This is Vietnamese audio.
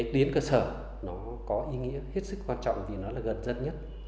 tiến cơ sở có ý nghĩa hết sức quan trọng vì nó là gần dân nhất